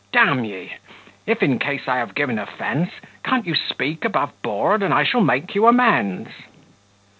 D ye, if in case I have given offence, can't you speak above board? and I shall make you amends."